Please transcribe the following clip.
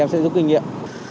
em sẽ giúp kinh nghiệm